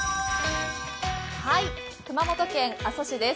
熊本県阿蘇市です。